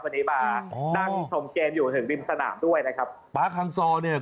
วันนี้มานั่งชมเกมอยู่ถึงริมสนามด้วยนะครับบาร์คันซอเนี่ย